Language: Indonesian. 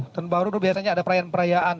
tahun baru biasanya ada perayaan perayaan